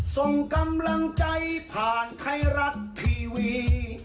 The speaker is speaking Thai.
ส่งกำลังใจผ่านไทยรัฐทีวี